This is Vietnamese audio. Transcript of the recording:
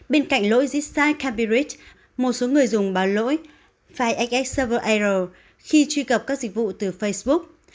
bên cạnh lỗi dịch sai cambridge một số người dùng báo lỗi năm xx server error khi truy cập các dịch vụ từ facebook